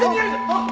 あっ！